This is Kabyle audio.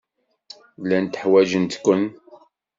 Llant ḥwajent-ken.